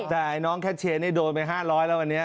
แต่น้องแคทเชียร์นี่โดนไป๕๐๐แล้ววันนี้